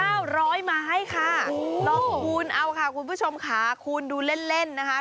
ใช่ค่ะหลอกคุณเอาค่ะคุณผู้ชมค่ะคุณดูเล่นนะคะ